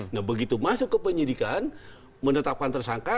nah begitu masuk ke penyidikan menetapkan tersangka